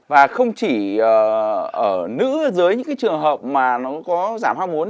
và không chỉ ở nữ dưới những trường hợp mà nó có giảm ham muốn